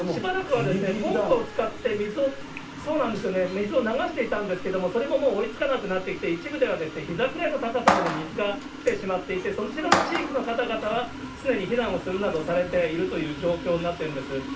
水を流していたんですけれども、それももう追いつかなくなってきて、一部ではひざくらいの高さまで水が来てしまっていて、そちらの地域の方々はすでに避難するなどされているという状況になっているんです。